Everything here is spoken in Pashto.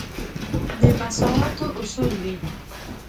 د مساواتو اصول دی.